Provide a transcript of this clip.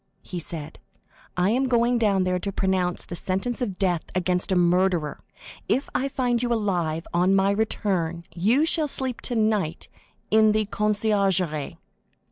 he said. "I am going down there to pronounce the sentence of death against a murderer. If I find you alive on my return, you shall sleep tonight in the conciergerie."